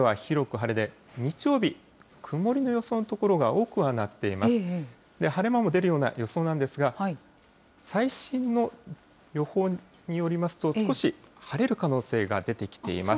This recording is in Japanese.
晴れ間も出るような予想なんですが、最新の予報によりますと、少し晴れる可能性が出てきています。